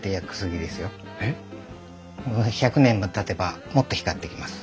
１００年もたてばもっと光ってきます。